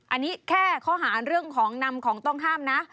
อันนี้แค่ข้อหาเรื่องของนำของต้องห้ามนะ